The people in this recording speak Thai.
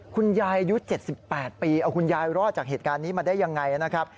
คุณยายอายุ๗๘ปีเอาคุณยายรอดจากเหตุการณ์นี้มาได้ยังไงนะครับ